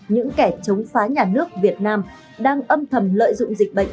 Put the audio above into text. những kẻ chống phá nhà nước việt nam đang âm thầm lợi dụng dịch bệnh